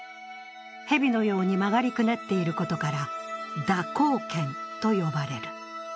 蛇のように曲がりくねっていることから蛇行剣と呼ばれる。